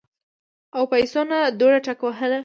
او پاينڅو نه دوړه ټکوهله